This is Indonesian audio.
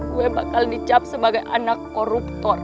gue bakal dicap sebagai anak koruptor